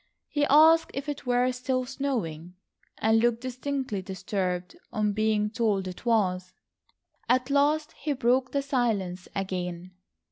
He asked if it were still snowing, and looked distinctly disturbed on being told it was. At last he broke the silence again.